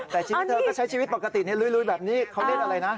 แต่ชีวิตเธอก็ใช้ชีวิตปกติลุยแบบนี้เขาเล่นอะไรนะ